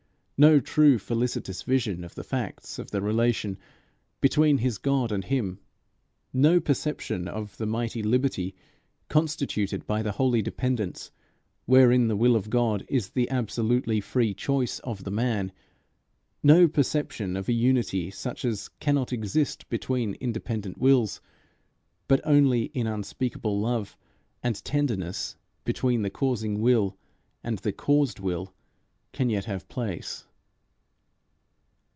No true felicitous vision of the facts of the relation between his God and him; no perception of the mighty liberty constituted by the holy dependence wherein the will of God is the absolutely free choice of the man; no perception of a unity such as cannot exist between independent wills, but only in unspeakable love and tenderness between the causing Will and the caused will, can yet have place.